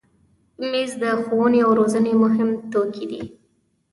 مېز د ښوونې او روزنې مهم توکي دي.